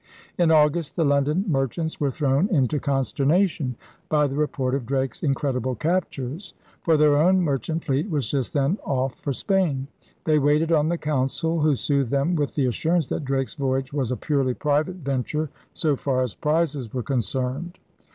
In August the London merchants were thrown into consternation by the report of Drake's incredible captures; for their own merchant fleet was just then off for Spain. They waited on the Council, who soothed them with the assurance that Drake's voyage was a purely private venture so far as prizes were concerned.